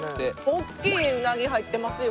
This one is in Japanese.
大きいうなぎ入ってますよ。